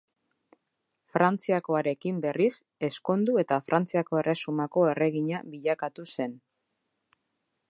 Frantziakoarekin berriz ezkondu eta Frantziako Erresumako erregina bilakatu zen.